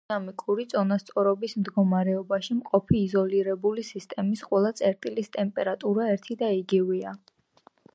თერმოდინამიკური წონასწორობის მდგომარეობაში მყოფი იზოლირებული სისტემის ყველა წერტილის ტემპერატურა ერთი და იგივეა.